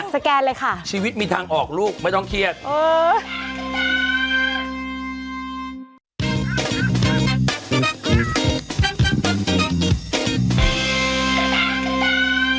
สแกนเลยค่ะชีวิตมีทางออกลูกไม่ต้องเครียดเออ